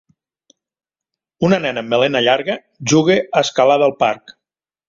Una nena amb melena llarga juga a escalada al parc.